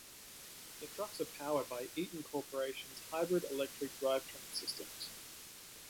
The trucks are powered by Eaton Corporation's hybrid electric drivetrain systems.